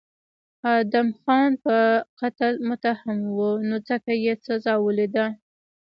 ادهم خان په قتل متهم و نو ځکه یې سزا ولیده.